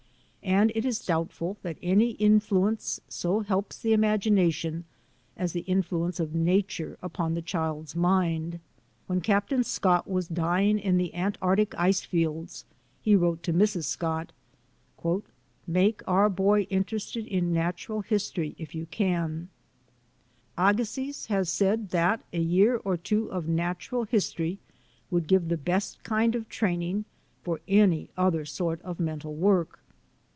And it is doubtful that any influence CHILDREN OF MY TRAIL SCHOOL 181 so helps the imagination as the influence of nature on the child's mind. When Captain Scott was dying in the Antarctic ice fields he wrote to Mrs. Scott: "Make our boy interested in natural historv if you can." Agassiz has said that a year or two of natural history would give the best kind of training for any other sort of mental work.